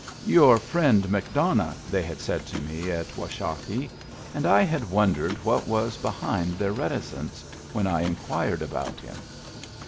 " Your friend McDonough," they had said to me at Washakie, and I had wondered what was be hind their reticence when I inquired about him.